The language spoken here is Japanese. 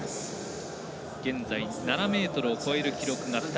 現在、７ｍを超える記録が２人。